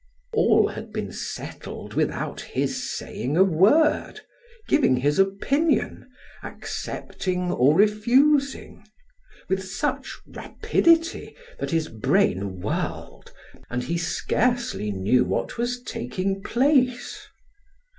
All had been settled without his saying a word, giving his opinion, accepting or refusing, with such rapidity that his brain whirled and he scarcely knew what was taking place.